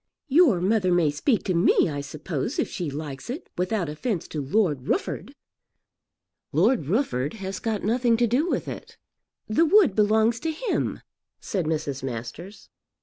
"Your mother may speak to me I suppose if she likes it, without offence to Lord Rufford." "Lord Rufford has got nothing to do with it." "The wood belongs to him," said Mrs. Masters.